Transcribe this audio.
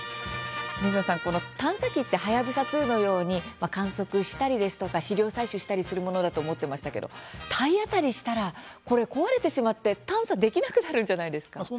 水野さん、探査機ってはやぶさ２のように観測したり試料を採取したりするものだと思っていましたが体当たりしたら壊れて探査できなくなるんじゃないですか。